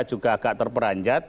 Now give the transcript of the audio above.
kita juga agak terperanjat